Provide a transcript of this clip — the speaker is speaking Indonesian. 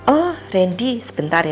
oh randy sebentar ya